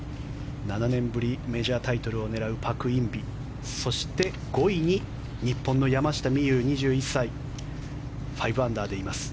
７年ぶりメジャータイトルを狙うパク・インビそして５位に日本の山下美夢有、２１歳５アンダーでいます。